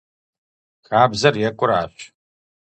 Хабзэр екӀуращ.